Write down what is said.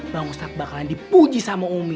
bang ustadz bakalan dipuji sama umi